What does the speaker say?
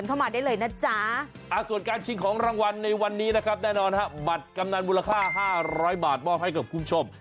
กำหนังมูลค่า๕๐๐บาทมอบให้กับคุณผู้ชม